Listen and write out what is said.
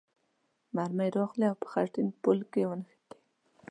مرمۍ راغلې او په خټین پل کې ونښتلې.